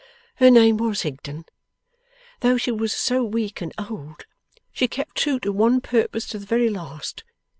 'Her name was Higden. Though she was so weak and old, she kept true to one purpose to the very last.